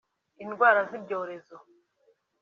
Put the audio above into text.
indwara z’ibyorezo